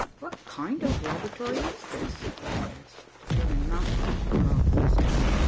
"What kind of laboratory is this?" I asked, determined not to be thrown off the scent.